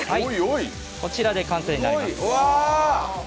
こちらで完成になります。